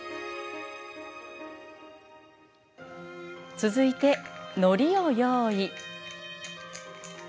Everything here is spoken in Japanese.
続いて、のりを用意。